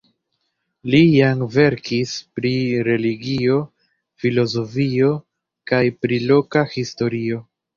Li jam verkis pri religio, filozofio kaj pri loka historio.